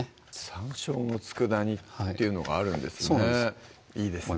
山椒の佃煮っていうのがあるんですねいいですね